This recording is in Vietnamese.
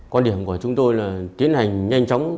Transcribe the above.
quan điểm của chúng tôi là tiến hành nhanh chóng